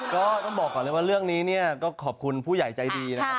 ก็ต้องบอกก่อนแล้วว่าเรื่องนี้ก็ขอบคุณผู้ใหญ่ใจดี